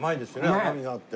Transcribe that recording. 甘みがあって。